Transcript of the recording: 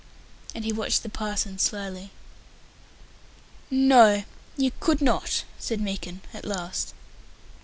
and he watched the parson slyly. "N no, you could not," said Meekin, at last.